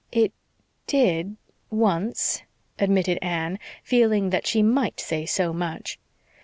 "It did once," admitted Anne, feeling that she might say so much.